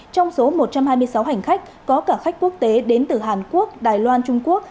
trong số một trăm hai mươi sáu hành khách có cả khách quốc tế đến từ hàn quốc đài loan trung quốc